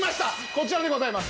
こちらでございます。